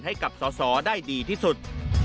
ให้กับสอสอได้ดีที่สุด